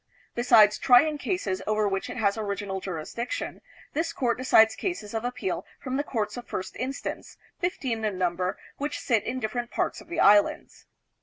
Besides trying cases over which it has original jurisdiction, this court decides cases of appeal from the Courts of First Instance, fifteen in num ber, which sit in different parts of the Islands.